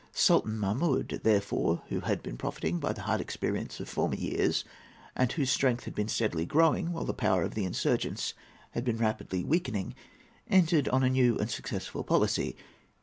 Sultan Mahmud, therefore, who had been profiting by the hard experience of former years, and whose strength had been steadily growing while the power of the insurgents had been rapidly weakening, entered on a new and successful policy.